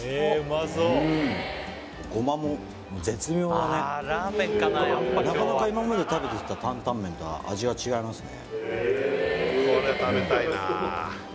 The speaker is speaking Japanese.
うーんごまも絶妙だねなかなか今まで食べてきた坦々麺とは味が違いますね